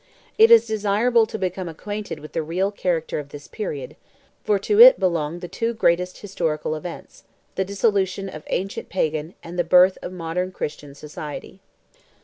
It is desirable to become acquainted with the real character of this period, for to it belong the two greatest historical events the dissolution of ancient pagan, and the birth of modern Christian society.